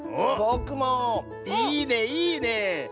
いいねいいね！